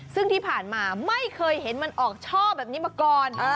ซึ่งที่ผ่านมาไม่เคยเห็นมันออกช่อแบบนี้มาก่อน